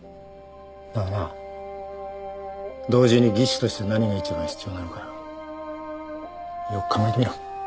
だがな同時に技師として何が一番必要なのかよく考えてみろ。